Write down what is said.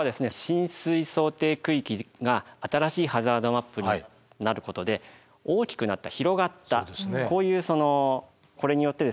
浸水想定区域が新しいハザードマップになることで大きくなった広がったこういうこれによってですね